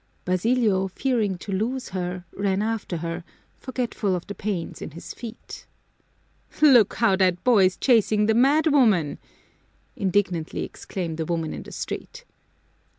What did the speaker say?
Basilio, fearing to lose her, ran after her, forgetful of the pains in his feet. "Look how that boy's chasing the madwoman!" indignantly exclaimed a woman in the street.